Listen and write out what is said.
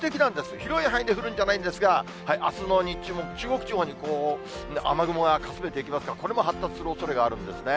広い範囲で降るんじゃないんですが、あすの日中も、中国地方に雨雲が隠れていきますから、これも発達するおそれがあるんですね。